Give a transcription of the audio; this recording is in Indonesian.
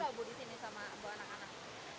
bagus bagus keren keren keren